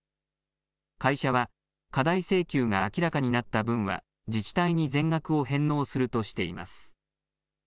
会社は過大請求が明らかになった分は自治体に全額を返納するとしています。